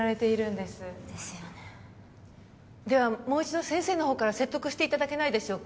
もう一度先生の方から説得していただけないでしょうか